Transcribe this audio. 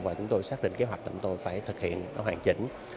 và chúng tôi xác định kế hoạch chúng tôi phải thực hiện hoàn chỉnh